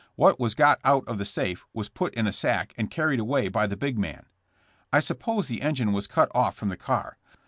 What was got out of the safe was put in a sack and carried away by the big man. ^'I supposed the engine was cut off from the car.